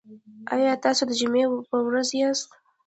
ایا تاسو د جمعې په ورځ یاست؟